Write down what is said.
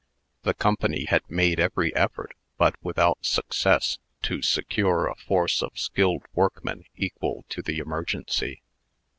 The Company had made every effort, but without success, to secure a force of skilled workmen equal to the emergency.